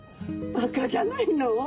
バカじゃないの？